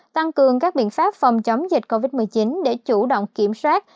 tăng cường các biện pháp phòng chống dịch covid một mươi chín để chủ động kiểm soát